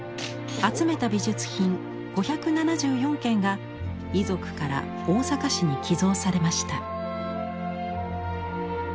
集めた美術品５７４件が遺族から大阪市に寄贈されました。